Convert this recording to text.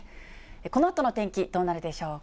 このあとの天気、どうなるでしょうか。